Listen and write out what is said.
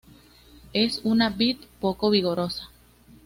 Es una vid poco vigorosa.